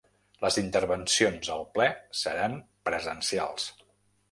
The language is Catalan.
Les intervencions al ple seran presencials.